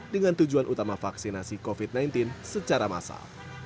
dengan tujuan utama vaksinasi covid sembilan belas secara massal